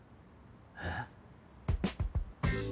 えっ。